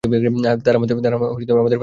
তারা আমাদের ফাঁসিতে ঝুলাবে, সারাহ।